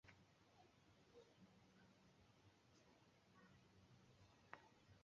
benshi ntimube bake kandi uyu mugi natumye mujyanwamo mu bunyage mujye